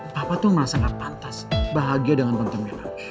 papa tuh merasa gak pantas bahagia dengan tante mela